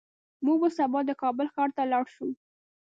موږ به سبا د کابل ښار ته لاړ شو